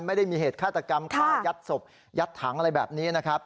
ไม่ได้มีเหตุฆาตกรรมฆ่ายัดศพยัดถังอะไรแบบนี้นะครับ